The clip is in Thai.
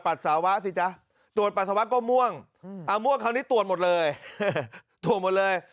สาวะสิจ๊ะตรวจปัสสาวะก็ม่วงม่วงคราวนี้ตรวจหมดเลยตรวจหมดเลย